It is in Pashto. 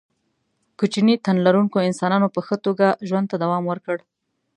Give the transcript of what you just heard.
کوچني تن لرونکو انسانانو په ښه توګه ژوند ته دوام ورکړ.